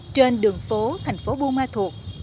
trên đường phố thành phố bu ma thuộc